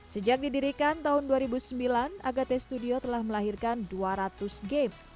sejak didirikan tahun dua ribu sembilan agate studio telah melahirkan dua ratus game